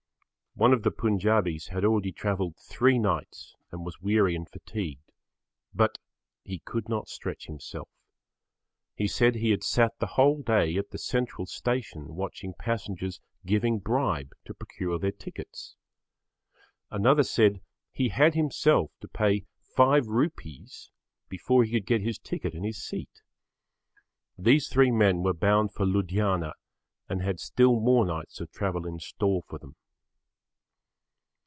One of the Punjabis had already travelled three nights and was weary and fatigued. But he could not stretch himself. He said he had sat the whole day at the Central Station watching passengers giving bribe to procure their tickets. Another said he had himself to pay Rs. 5 before he could get his ticket and his seat. These three men were bound for Ludhiana and had still more nights of travel in store for them.